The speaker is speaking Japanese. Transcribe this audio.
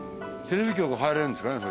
テレビ局入れるんですかね？